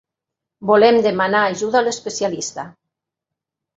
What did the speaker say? Volem demanar ajuda a l'especialista.